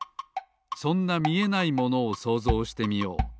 そんなみえないものをそうぞうしてみよう。